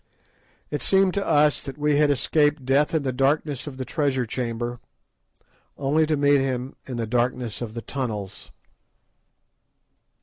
It seemed to us that we had escaped Death in the darkness of the treasure chamber only to meet him in the darkness of the tunnels.